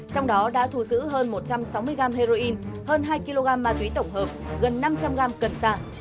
trong đó đã thù giữ hơn một trăm sáu mươi gram heroin hơn hai kg ma túy tổng hợp gần năm trăm linh gram cần xạ